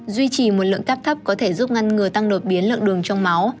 duy trì một lượng cap thấp có thể giúp ngăn ngừa tăng đột biến lượng đường trong máu